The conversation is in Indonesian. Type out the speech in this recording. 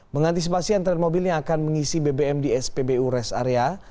mengantisipasi antrean mobil yang akan mengisi bbm di spbu rest area